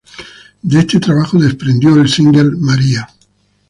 De este trabajo desprendió el single 'María'.